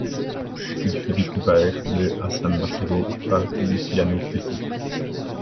Il fut découvert le à San Marcello par Luciano Tesi.